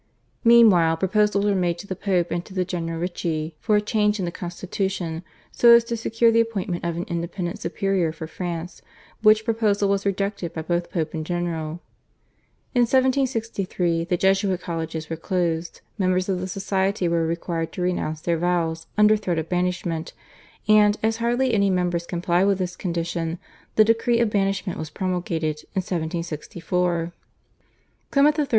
Meanwhile proposals were made to the Pope and to the general, Ricci, for a change in the constitution, so as to secure the appointment of an independent superior for France, which proposal was rejected by both Pope and general. In 1763 the Jesuit colleges were closed; members of the Society were required to renounce their vows under threat of banishment, and, as hardly any members complied with this condition, the decree of banishment was promulgated in 1764. Clement XIII.